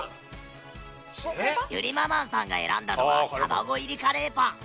ゆりママんさんが選んだのは卵入りカレーパン